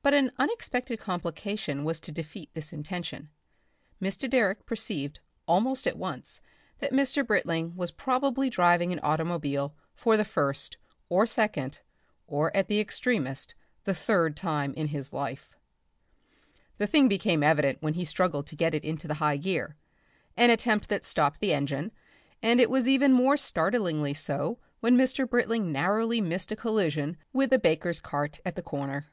But an unexpected complication was to defeat this intention. Mr. Direck perceived almost at once that Mr. Britling was probably driving an automobile for the first or second or at the extremest the third time in his life. The thing became evident when he struggled to get into the high gear an attempt that stopped the engine, and it was even more startlingly so when Mr. Britling narrowly missed a collision with a baker's cart at a corner.